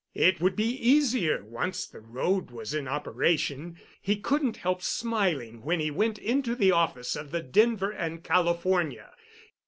It would be easier once the road was in operation. He couldn't help smiling when he went into the office of the Denver and California.